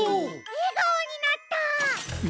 えがおになった！